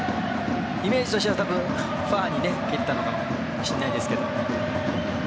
イメージとしては、ファーに蹴ったのかもしれないですけど。